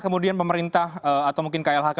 kemudian pemerintah atau mungkin klhk